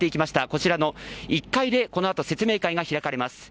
こちらの１階でこの後、説明会が開かれます。